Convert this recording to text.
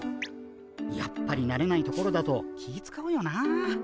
やっぱりなれない所だと気ぃ遣うよなあ。